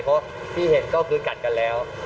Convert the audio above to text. เพราะที่เห็นก็คือกัดกันแล้ว